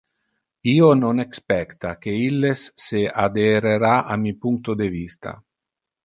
Io non expecta que illes se adherera a mi puncto de vista.